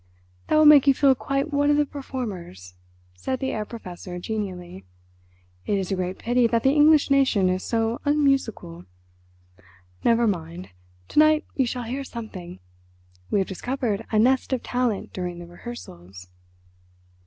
"That will make you feel quite one of the performers," said the Herr Professor genially. "It is a great pity that the English nation is so unmusical. Never mind! To night you shall hear something—we have discovered a nest of talent during the rehearsals."